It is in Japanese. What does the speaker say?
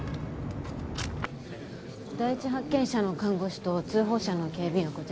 第一発見者の看護師と通報者の警備員はこちらです。